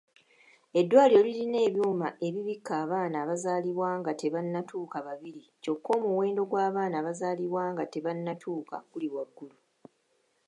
Eddwaliro lirina ebyuma ebibikka abaana abaazaalibwa nga tebannatuuka babiri kyokka omuwendo gw'abaana abazaalibwa nga tebannatuuka guli waggulu.